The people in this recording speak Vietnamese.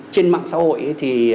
trên mạng xã hội thì